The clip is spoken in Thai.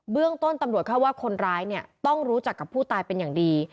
เรื่องต้นตำรวจเข้าว่าคนร้ายเนี่ยต้องรู้จักกับผู้ตายเป็นอย่างดี